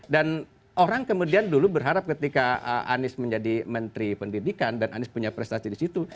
dan orang kemudian dulu berharap ketika anies menjadi menteri pendidikan dan anies punya prestasi di situ